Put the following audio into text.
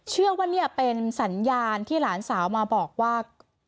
เชื่อว่าเนี่ยเป็นสัญญาณที่หลานสาวมาบอกว่า